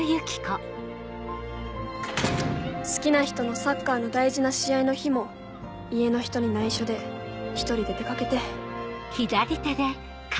好きな人のサッカーの大事な試合の日も家の人に内緒で１人で出掛けて。